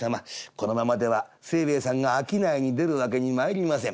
このままでは清兵衛さんが商いに出る訳にまいりません。